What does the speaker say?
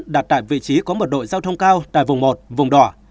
đặt tại vị trí có một đội giao thông cao tại vùng một vùng đỏ